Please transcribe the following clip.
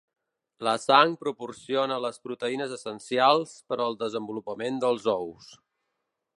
La sang proporciona les proteïnes essencials per al desenvolupament dels ous.